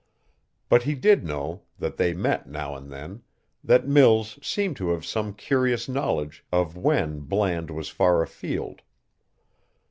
But he did know that they met now and then, that Mills seemed to have some curious knowledge of when Bland was far afield.